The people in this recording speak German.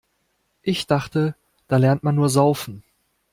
Ich dachte, da lernt man nur Saufen.